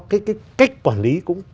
cái cách quản lý cũng